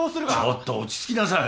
ちょっと落ち着きなさい。